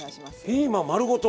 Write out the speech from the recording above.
ピーマン丸ごと？